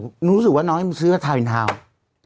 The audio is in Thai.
เพราะน้องให้มันซื้อว่าทาวน์อินทาวน์